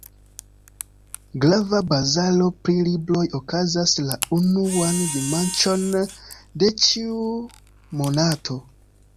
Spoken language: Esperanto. Grava bazaro pri libroj okazas la unuan dimanĉon de ĉiu monato.